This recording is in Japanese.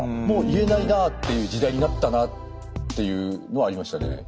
もう言えないなっていう時代になったなっていうのはありましたね。